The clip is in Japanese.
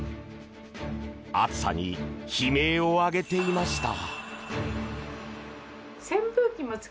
暑さに悲鳴を上げていました。